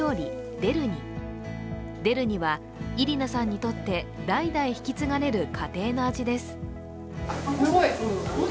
デルニはイリナさんにとって代々引き継がれる家庭の味です。